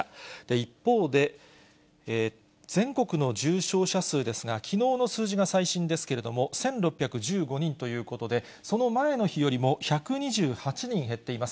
一方で、全国の重症者数ですが、きのうの数字が最新ですけれども、１６１５人ということで、その前の日よりも１２８人減っています。